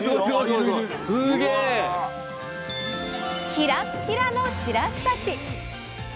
キラッキラのしらすたち！